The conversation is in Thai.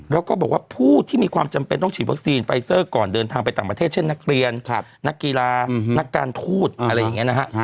แล้วก็บอกว่าผู้ที่มีความจำเป็นต้องฉีดวัคซีนไฟเซอร์ก่อนเดินทางไปต่างประเทศเช่นนักเรียนนักกีฬานักการทูตอะไรอย่างนี้นะฮะ